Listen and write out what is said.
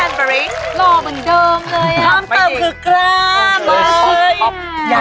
กล้ามเติบก็กล้ามเลย